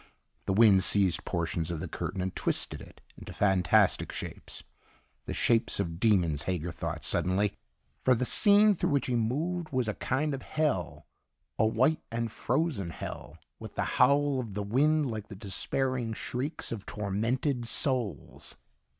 The wind seized portions of the curtain and twisted it into fantastic shapes the shapes of demons, Hager thought suddenly. For the scene through which he moved was a kind of hell, a white and frozen hell, with the howl of the wind like the despairing shrieks of tormented souls.